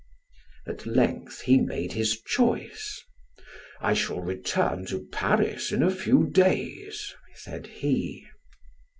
At length he made his choice. "I shall return to Paris in a few days," said he.